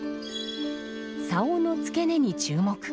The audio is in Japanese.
棹の付け根に注目。